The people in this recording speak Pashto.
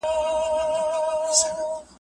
خدای جاذبه ځکه پیدا کړه